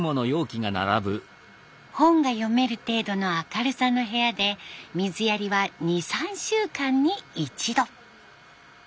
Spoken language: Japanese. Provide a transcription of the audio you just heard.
本が読める程度の明るさの部屋で水やりは２３週間に一度。